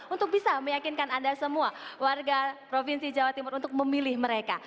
untuk bisa meyakinkan anda semua warga provinsi jawa timur untuk memilih mereka